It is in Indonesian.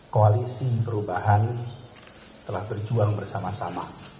koalisi perubahan telah berjuang bersama sama